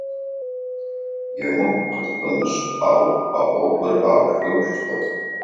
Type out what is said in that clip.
Емыкӏу къысфэмышӏ, ау а ӏофыр аущтэу щытэп.